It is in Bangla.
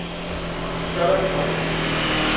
চলন কলেজ।